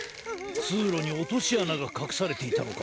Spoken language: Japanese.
つうろにおとしあながかくされていたのか。